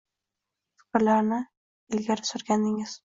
fikrni ilgari surgandingiz.